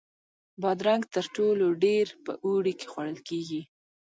بادرنګ تر ټولو ډېر په اوړي کې خوړل کېږي.